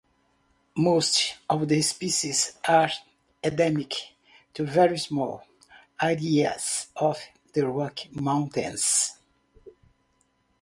Most of the species are endemic to very small areas of the Rocky Mountains.